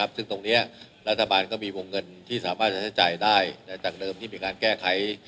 ตอนนี้รัฐบาลก็มีวงเงินที่สามารถจ่ายหน่าจากเนินเป็นการแก้ไข